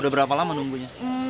udah berapa lama nunggunya